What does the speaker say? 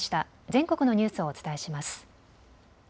全国のニュースをお伝えします。